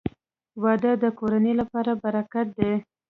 • واده د کورنۍ لپاره برکت دی.